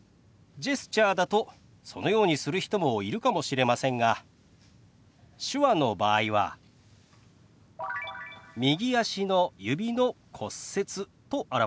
ジェスチャーだとそのようにする人もいるかもしれませんが手話の場合は「右足の指の骨折」と表します。